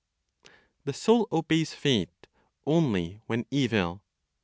THE SOUL OBEYS FATE ONLY WHEN EVIL.